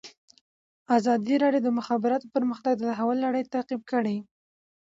ازادي راډیو د د مخابراتو پرمختګ د تحول لړۍ تعقیب کړې.